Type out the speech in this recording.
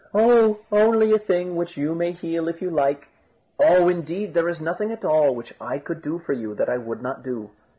"Oh! only a thing which you may heal if you like." "Oh! indeed there is nothing at all which I could do for you that I would not do."